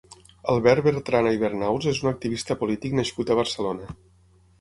Albert Bertrana i Bernaus és un activista polític nascut a Barcelona.